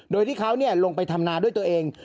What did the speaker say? โดยที่เขานี่ลงไปธรรมนาด้วยตัวเอง